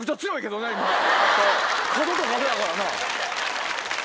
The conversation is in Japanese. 角と角やからな。